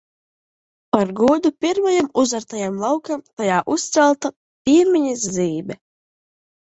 Par godu pirmajam uzartajam laukam tajā uzcelta piemiņas zīme.